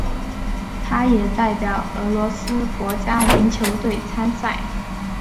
他也代表俄罗斯国家篮球队参赛。